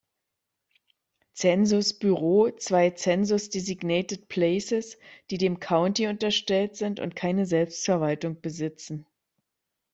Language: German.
Census Bureau zwei Census-designated places, die dem County unterstellt sind und keine Selbstverwaltung besitzen.